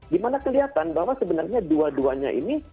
dimana kelihatan bahwa sebenarnya dua duanya ini